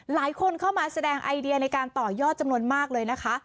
หลายคนเข้ามาแสดงไอเดียในการต่อยอดจำนวนมากเลยนะคะ